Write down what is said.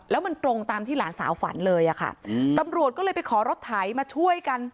แล้วมันตรงตามที่หลานสาวฝันเลยอะค่ะตำรวจก็เลยไปขอรถไถมาช่วยกัน